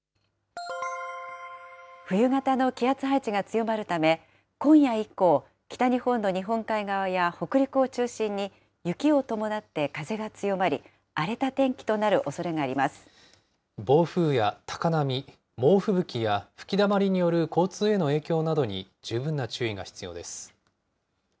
冬型の気圧配置が強まるため、今夜以降、北日本の日本海側や北陸を中心に雪を伴って風が強まり、荒れた天暴風や高波、猛吹雪や吹きだまりによる交通への影響などに十分な注意が必要です。